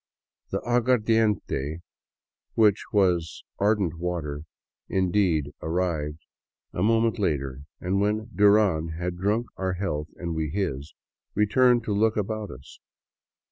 The aguardiente, which was " ardent water " indeed, arrived a moment later, and when Duran had drunk our health and we his, we turned to look about us.